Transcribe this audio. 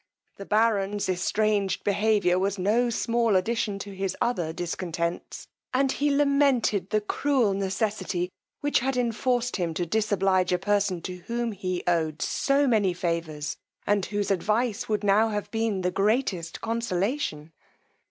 The baron's estrang'd behaviour was no small addition to his other discontents, and he lamented the cruel necessity which had enforced him to disoblige a person to whom he owed so many favours, and whose advice would now have been the greatest consolation.